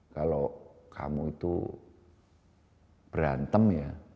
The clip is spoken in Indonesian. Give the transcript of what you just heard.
kalau kamu itu berantem ya